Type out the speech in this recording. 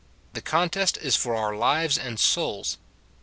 The contest is for our lives and souls.